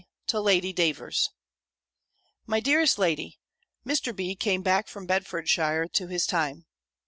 to Lady Davers._ MY DEAREST LADY, Mr. B. came back from Bedfordshire to his time.